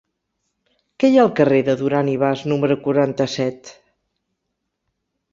Què hi ha al carrer de Duran i Bas número quaranta-set?